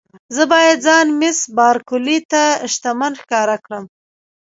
زه باید ځان مېس بارکلي ته شتمن ښکاره کړم.